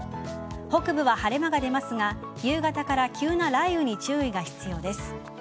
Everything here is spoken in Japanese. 北部は晴れ間が出ますが夕方から急な雷雨に注意が必要です。